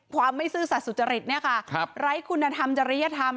ความไม่ซื่อสัตว์สุจริตเนี่ยค่ะไร้คุณธรรมจริยธรรม